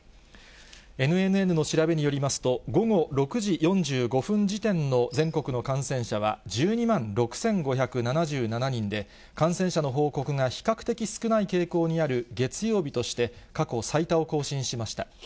ＮＮＮの調べによりますと、午後６時４５分時点の全国の感染者は１２万６５７７人で、感染者の報告が比較的少ない傾向にある月曜日として、過去最多を更新しました。